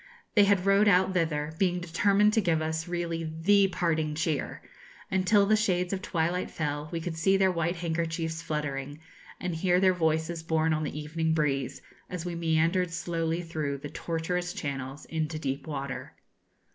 They had rowed out thither, being determined to give us really the parting cheer, and till the shades of twilight fell we could see their white handkerchiefs fluttering, and hear their voices borne on the evening breeze, as we meandered slowly through the tortuous channels into deep water.